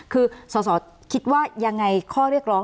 คือสอสอคิดว่ายังไงข้อเรียกร้อง